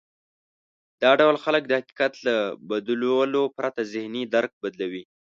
دا ډول خلک د حقيقت له بدلولو پرته ذهني درک بدلوي.